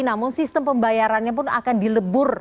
namun sistem pembayarannya pun akan dilebur